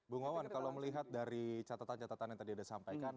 bu ngawan kalau melihat dari catatan catatan yang tadi ada sampaikan